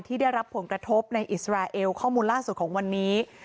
ได้รับผลกระทบในอิสราเอลข้อมูลล่าสุดของวันนี้